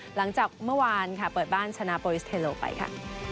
หลังจากเมื่อวานค่ะเปิดบ้านชนะไปค่ะ